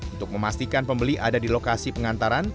untuk memastikan pembeli ada di lokasi pengantaran